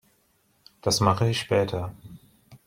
Das mache ich später.